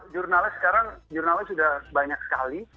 jurnalnya sekarang sudah banyak sekali